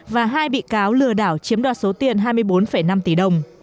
và hai bị cáo lừa đảo chiếm đoạt số tiền hai mươi bốn năm tỷ đồng